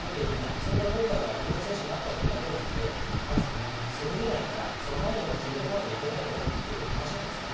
それが今回は日本の選手になったというだけなので責められないからその前に決めておかなきゃいけないよねって話なんですよね。